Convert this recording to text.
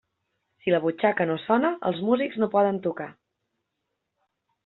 Si la butxaca no sona, els músics no poden tocar.